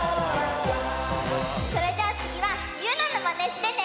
それじゃあつぎはゆうなのまねしてね！